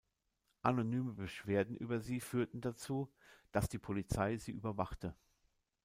Anonyme Beschwerden über sie führten dazu, dass die Polizei sie überwachte.